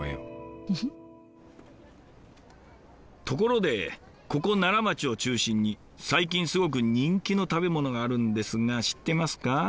ところでここ奈良町を中心に最近すごく人気の食べ物があるんですが知ってますか？